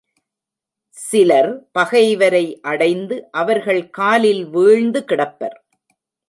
சிலர் பகைவரை அடைந்து அவர்கள் காலில் வீழுந்து கிடப்பர்.